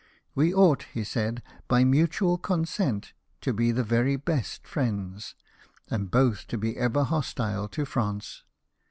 " We ought," he said, " by mutual consent, to be the very best friends, and both to be ever hostile to France."